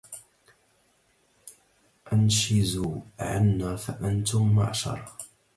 أنشزوا عنا فأنتم معشر